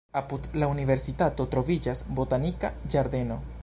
Apud la universitato troviĝas botanika ĝardeno.